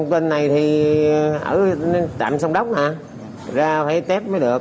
cái này thì ở tạm sông đốc nè ra phải test mới được